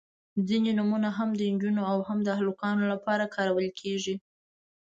• ځینې نومونه هم د نجونو او هم د هلکانو لپاره کارول کیږي.